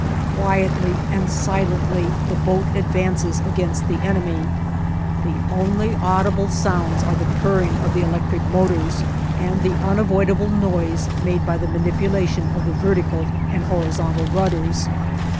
Quietly and silently the boat advances against the enemy; the only audible sounds are the purring of the electric motors and the unavoidable noise made by the manipulation of the vertical and horizontal rudders.